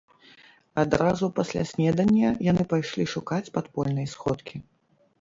Адразу пасля снедання яны пайшлі шукаць падпольнай сходкі.